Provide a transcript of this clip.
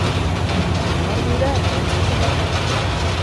Baina ñabardura garrantzitsu bat dago.